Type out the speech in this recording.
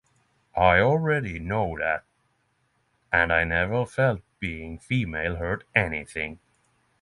I already know that, and I never felt being female hurt anything.